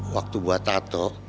waktu buat tato